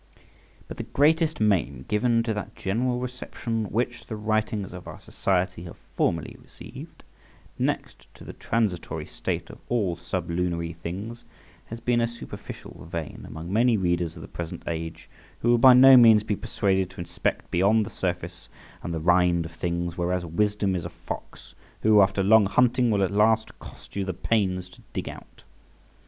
But the greatest maim given to that general reception which the writings of our society have formerly received, next to the transitory state of all sublunary things, has been a superficial vein among many readers of the present age, who will by no means be persuaded to inspect beyond the surface and the rind of things; whereas wisdom is a fox, who, after long hunting, will at last cost you the pains to dig out.